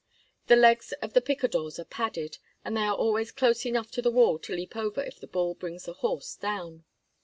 The legs of the picadores are padded, and they are always close enough to the wall to leap over if the bull brings the horse down.